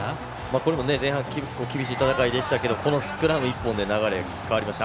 これも前半厳しい戦いでしたけどこのスクラム１本で流れが変わりました。